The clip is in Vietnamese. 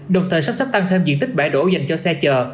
đồng thời sắp sắp tăng thêm diện tích bãi đổ dành cho xe chở